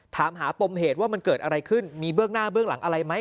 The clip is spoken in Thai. ถามหาปมเหตุว่ามันเกิดอะไรขึ้นมีเบื้องหน้าเบื้องหลังอะไรไหม